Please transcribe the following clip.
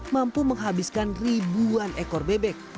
mampu menghabiskan ribuan ekor bebek